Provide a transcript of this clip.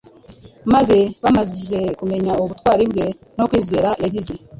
Maze bamaze kumenya ubutwari bwe no kwizera yagize